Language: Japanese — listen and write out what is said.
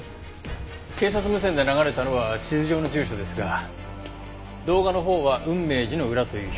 警察無線で流れたのは地図上の住所ですが動画のほうは雲明寺の裏という表現です。